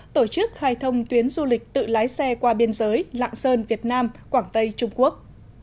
tổ chức khai thông tuyến du lịch tự lái xe qua biên giới lạng sơn việt nam quảng tây trung quốc